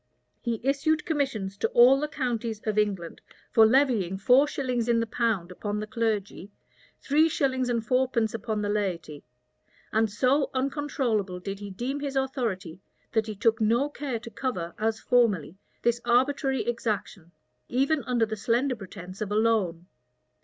He issued commissions to all the counties of England, for levying four shillings in the pound upon the clergy, three shillings and fourpence upon the laity; and so uncontrollable did he deem his authority, that he took no care to cover, as formerly, this arbitrary exaction, even under the slender pretence of a loan.